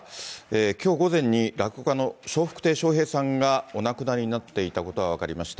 きょう午前に落語家の笑福亭笑瓶さんが、お亡くなりになっていたことが分かりました。